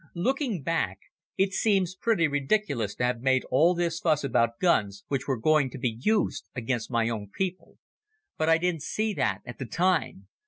Looking back, it seems pretty ridiculous to have made all this fuss about guns which were going to be used against my own people. But I didn't see that at the time.